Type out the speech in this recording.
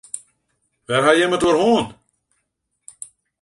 Wêr ha jim it oer hân?